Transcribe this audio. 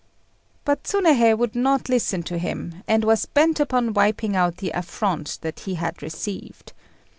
But Tsiméhei would not listen to him, and was bent upon wiping out the affront that he had received.